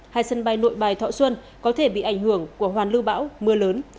hai sân bay nội bài thọ xuân có thể bị ảnh hưởng của hoàn lưu bão mưa lớn